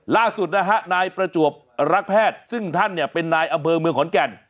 ล่าสุดนะฮะนายประจวบรักแพทย์ซึ่งท่านเนี่ยเป็นนายอำเภอเมืองขอนแก่น